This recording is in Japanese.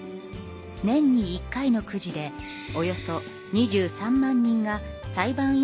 年に一回のくじでおよそ２３万人が裁判員候補に選ばれます。